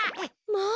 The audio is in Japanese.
まあ。